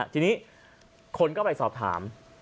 ทีนี้คนก็ไปสอบถาม